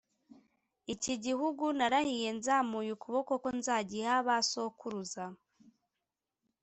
iki gihugu narahiye nzamuye ukuboko ko nzagiha ba sokuruza